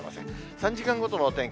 ３時間ごとのお天気。